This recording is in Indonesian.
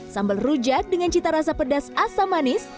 sambal rujak dengan cita rasa pedas asam manis